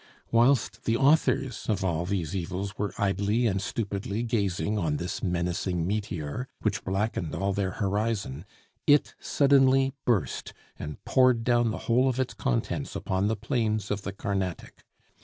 Whilst the authors of all these evils were idly and stupidly gazing on this menacing meteor, which blackened all their horizon, it suddenly burst and poured down the whole of its contents upon the plains of the Carnatic.